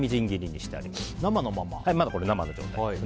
これまだ生の状態です。